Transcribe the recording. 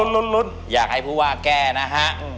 อยากให้ผู้ว่าแก้นะฮะ